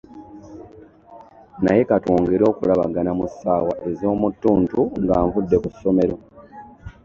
Naye katwongere okulabagana mu ssaawa ez'omu ttuntu nga nvudde ku ssomero.